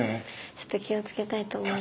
ちょっと気をつけたいと思います。